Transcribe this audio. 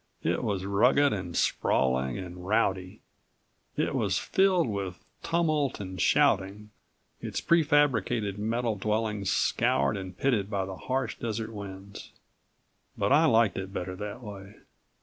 It was rugged and sprawling and rowdy. It was filled with tumult and shouting, its prefabricated metal dwellings scoured and pitted by the harsh desert winds. But I liked it better that way.